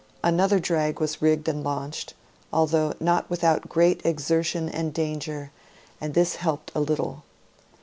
Another drag was rigged and launched, although not without great exertion and danger, and this helped a little.